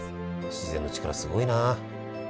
自然の力すごいな。